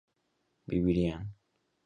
vivirán